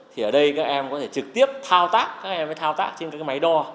thì ở đây các em có thể trực tiếp thao tác trên máy đo